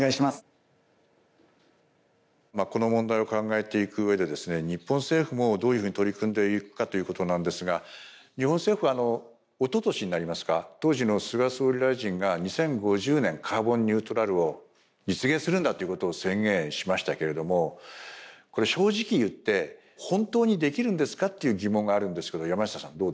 まあこの問題を考えていくうえでですね日本政府もどういうふうに取り組んでいくかということなんですが日本政府はおととしになりますか当時の菅総理大臣が２０５０年カーボンニュートラルを実現するんだということを宣言しましたけれどもこれ正直言って本当にできるんですか？という疑問があるんですけど山下さん